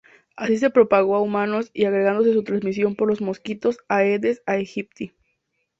Así se propagó a humanos y agregándose su transmisión por los mosquitos "Aedes aegypti".